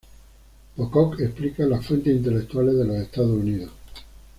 Pocock explica las fuentes intelectuales de los Estados Unidos.